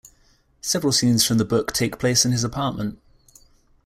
Several scenes from the book take place in his apartment.